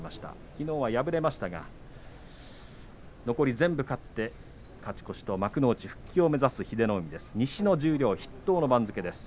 きのう敗れましたが残り全部勝って勝ち越しと幕内復帰を目指す英乃海です。